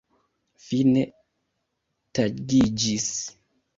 Fine tagiĝis.